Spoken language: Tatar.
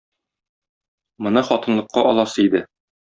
Моны хатынлыкка аласы иде.